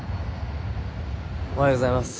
おはようございます。